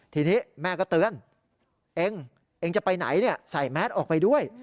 ทีนี้แม่ก็เตือนเองเองจะไปไหนใส่แมสออกไปด้วย